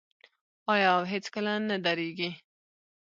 آیا او هیڅکله نه دریږي؟